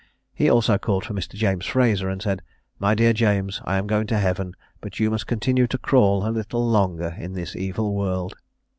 He also called for Mr. James Fraser, and said, "My dear James, I am going to heaven; but you must continue to crawl a little longer in this evil world."